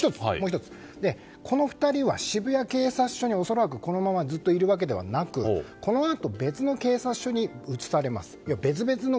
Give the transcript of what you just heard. この２人は渋谷警察署に恐らくそのままずっといるわけではなくこのあと別の警察署に移されます。